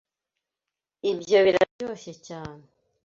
Ibyo biraryoshye cyane.